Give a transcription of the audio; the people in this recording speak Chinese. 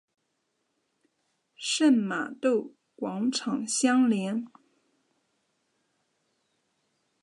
圣玛窦广场相连。